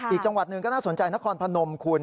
อีกจังหวัดหนึ่งก็น่าสนใจนครพนมคุณ